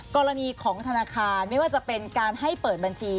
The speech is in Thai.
กรณีของธนาคารไม่ว่าจะเป็นการให้เปิดบัญชี